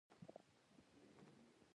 کلي د خلکو د ژوند په کیفیت تاثیر کوي.